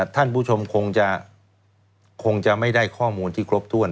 ท่านผู้ชมคงจะคงจะไม่ได้ข้อมูลที่ครบถ้วน